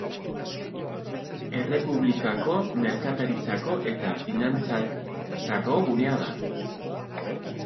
Errepublikako merkataritzako eta finantzetako gunea da.